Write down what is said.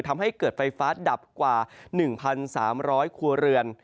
ทำให้เกิดไฟฟ้าดับกว่า๑๓๐๐ครัวเรือน